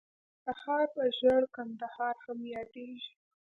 کندهار په ژړ کندهار هم ياديږي.